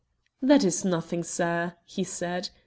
"That is nothing, sir," he said.